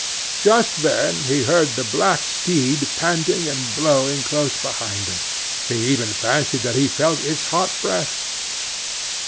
Just then he heard the black steed panting and blowing close behind him; he even fancied that he felt his hot breath.